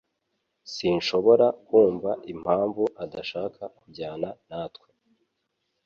Sinshobora kumva impamvu adashaka kujyana natwe.